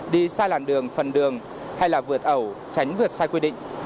đi sai làn đường phần đường hay là vượt ẩu tránh vượt sai quy định